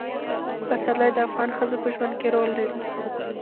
پسرلی د افغان ښځو په ژوند کې رول لري.